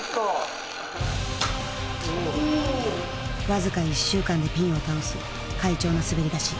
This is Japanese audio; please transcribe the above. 僅か１週間でピンを倒す快調な滑り出し。